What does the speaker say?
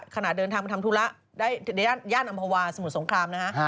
ขณะเดินทางไปทำธุระในย่านอำภาวาสมุทรสงครามนะฮะ